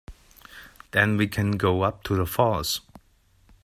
Then we can go up to the falls.